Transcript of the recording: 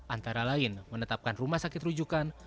antara lain menetapkan rumah sakit rujukan